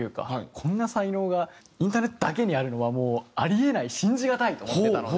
こんな才能がインターネットだけにあるのはもうあり得ない信じ難いと思ってたので。